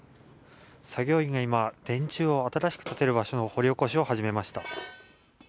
作業員が今、電柱を新しく立てる場所の掘り起こしを始めました。